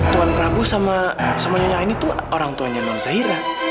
tuan prabu sama nyonya aini tuh orang tuanya lo zahira